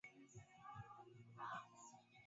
Nikiitwa hukumuni.